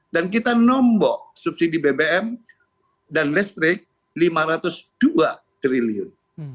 dan kita nombok subsidi bbm dan listrik lima ratus dua triliun